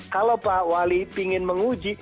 kalau pak wali ingin menguji